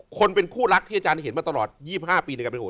คนเป็นคู่รักที่อาจารย์เห็นมาตลอด๒๕ปี